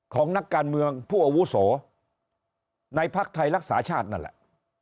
ของนักการเมืองผู้อวุโสในพักธอสชนั่นแหละ